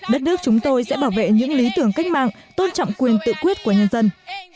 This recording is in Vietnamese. đất nước chúng tôi sẽ bảo vệ những lý tưởng cách mạng tôn trọng quyền tự quyết của nhân dân